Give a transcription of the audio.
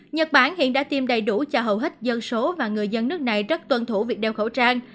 nhật bản hiện đã tiêm đầy đủ cho hầu hết dân số và người dân nước này rất tuân thủ việc đeo khẩu trang